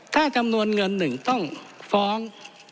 ถ้าจำนวนเงินหนึ่งต้องฟ้อง